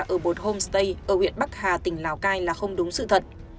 ở một homestay ở huyện bắc hà tỉnh lào cai là không đúng sự thật